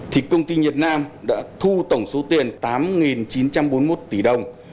thì công ty nhật nam đã thu tổng số tiền tám chín trăm bốn mươi một tỷ đồng